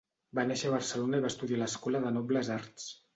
Va néixer a Barcelona i va estudiar a l'Escola de Nobles Arts.